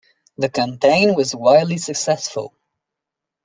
The campaign was wildly successful.